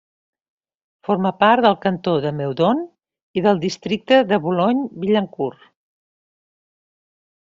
Forma part del cantó de Meudon i del districte de Boulogne-Billancourt.